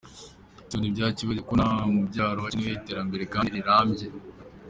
so, ntibakiyibagize ko no mubyaro hakenewe iterambere kandi rirambye.